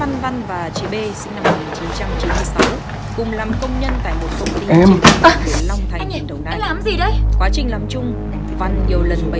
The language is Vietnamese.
hãy đăng ký kênh để ủng hộ kênh của mình nhé